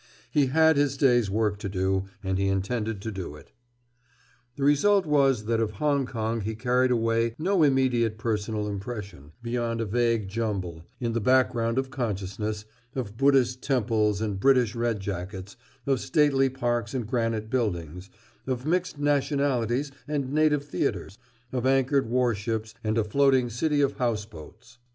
He had his day's work to do, and he intended to do it. The result was that of Hong Kong he carried away no immediate personal impression, beyond a vague jumble, in the background of consciousness, of Buddhist temples and British red jackets, of stately parks and granite buildings, of mixed nationalities and native theaters, of anchored warships and a floating city of houseboats.